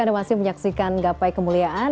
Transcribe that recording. anda masih menyaksikan gapai kemuliaan